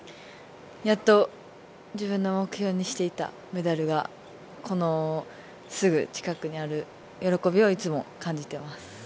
やっと自分の目標にしていたメダルがこのすぐ近くにある喜びをいつも感じています。